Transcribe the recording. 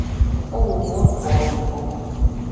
O humor cômico.